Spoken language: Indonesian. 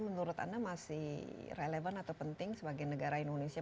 menurut anda masih relevan atau penting sebagai negara indonesia